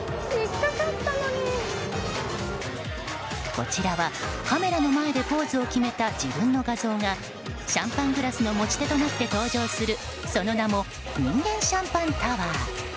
こちらはカメラの前でポーズを決めた自分の画像がシャンパングラスの持ち手となって登場するその名も人間シャンパンタワー。